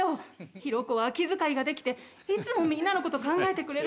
ヒロコは気遣いができていつもみんなの事考えてくれる。